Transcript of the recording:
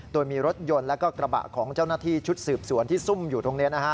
โดยมีรถยนต์และกระบะของเจ้าหน้าที่ชุดสืบสวนที่ซุ่มอยู่ตรงนี้